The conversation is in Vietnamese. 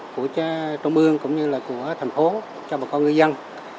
của trung ương cũng như là của thành phố cho bà con ngư dân